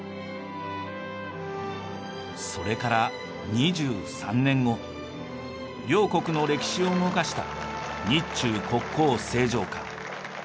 それから２３年後両国の歴史を動かした日中国交正常化。